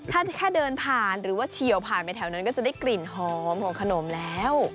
ถ้าแค่เดินผ่านหรือว่าเฉียวผ่านไปแถวนั้นก็จะได้กลิ่นหอมของขนมแล้ว